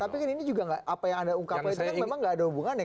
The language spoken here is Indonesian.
tapi kan ini juga gak apa yang anda ungkapkan itu kan memang gak ada hubungannya